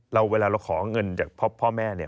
เวลาเราขอเงินจากพ่อแม่เนี่ย